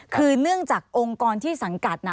คือเนื่องจากองค์กรที่สังกัด